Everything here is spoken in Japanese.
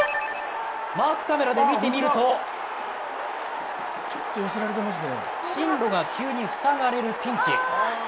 マークカメラで見てみると進路が急に塞がれるピンチ。